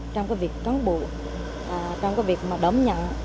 trong cái việc cán bộ trong cái việc mà đón nhận